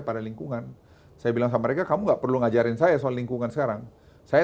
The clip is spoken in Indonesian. pada lingkungan saya bilang sama mereka kamu nggak perlu ngajarin saya soal lingkungan sekarang saya